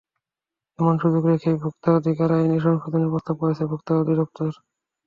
এমন সুযোগ রেখেই ভোক্তা অধিকার আইনের সংশোধনীর প্রস্তাব করেছে ভোক্তা অধিদপ্তর।